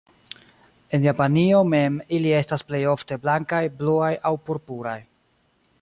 En Japanio mem ili estas plejofte blankaj, bluaj aŭ purpuraj.